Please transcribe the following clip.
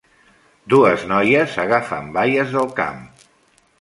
Dues noies agafen baies del camp.